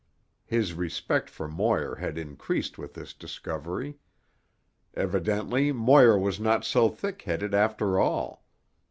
His respect for Moir had increased with this discovery. Evidently Moir was not so thick headed after all.